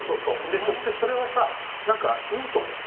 でそしてそれはさ何かいいと思う。